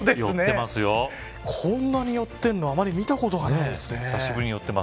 こんなに寄ってるのはあまり見たことがないですね。